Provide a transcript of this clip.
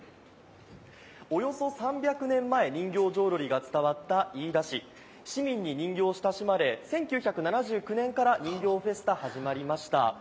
およそ３００年前、人形浄瑠璃が伝わった飯田市市民に人形を親しまれ、１９７９年から人形劇フェスタ、始まりました。